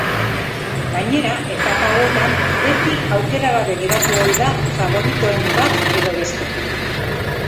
Gainera etapa hauetan beti aukera gabe geratu ohi da faboritoen bat edo beste.